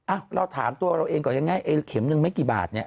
อ้ะเราถามตัวเราเองก่อนอย่างง่ายไอเค็มนึงเนี่ยไม่กี่บาท